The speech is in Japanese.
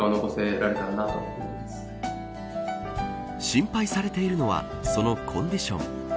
心配されているのはそのコンディション。